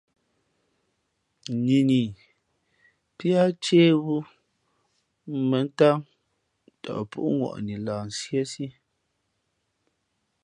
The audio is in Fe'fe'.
Nini píá ncéhwú mbᾱ ntám tαʼ púʼŋwαʼnǐ lah nsíésí.